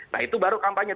nah itu baru kampanye